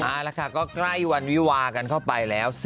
เอาละค่ะก็ใกล้วันวิวากันเข้าไปแล้ว